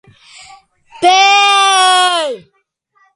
ბედლენდური რელიეფი ფიქსირდება ასევე ახალ ზელანდიაში, ყაზახეთში და სხვა.